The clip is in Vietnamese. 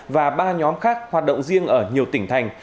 và ba nhóm khác hoạt động riêng ở nhiều tỉnh thành